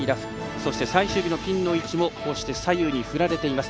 そして、最終日のピンの位置も左右に振られています。